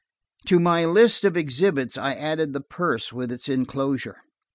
To my list of exhibits I added the purse with its inclosure.